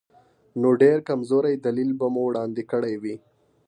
نو ډېر کمزوری دلیل به مو وړاندې کړی وي.